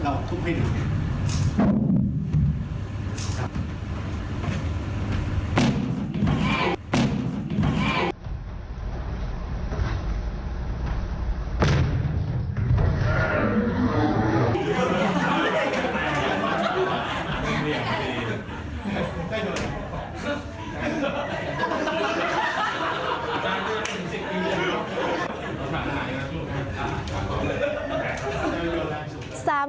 อย่างนี้ผมใกล้โดน